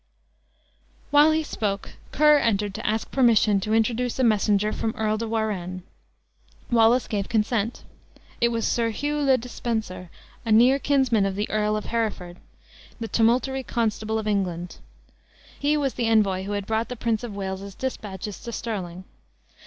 While he spoke, Ker entered to ask permission to introduce a messenger from Earl de Warenne. Wallace gave consent. It was Sir Hugh le de Spencer, a near kinsman of the Earl of Hereford, the tumultory constable of England. He was the envoy who had brought the Prince of Wales' dispatches to Stirling.